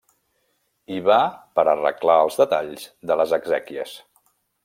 Hi va per arreglar els detalls de les exèquies.